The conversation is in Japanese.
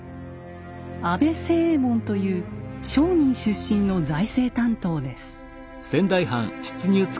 安倍清右衛門という商人出身の財政担当です。